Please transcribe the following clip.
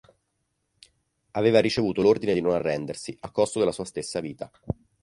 Aveva ricevuto l'ordine di non arrendersi, a costo della sua stessa vita.